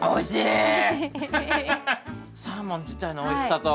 おいしい！